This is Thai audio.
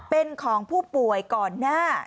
เป็นของผู้ป่วยก่อนหน้า